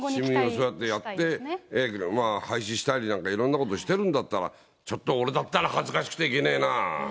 そうやって廃止したりとかいろんなことしてるんだったら、ちょっと、俺だったら、恥ずかしくて行けねぇな。